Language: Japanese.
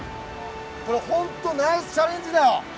本当ナイスチャレンジだよ。